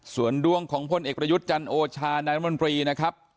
ส่วนด้วงของพ่นเอกปรยุทธ์จันโนชานายลมนปรีเนี่ยครับ